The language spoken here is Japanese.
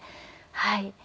はい。